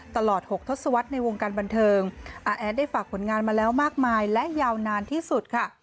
ตลอด๖ทศวรรษในวงการบันเทิงอาแอดได้ฝากผลงานมาแล้วมากมายและยาวนานที่สุดค่ะ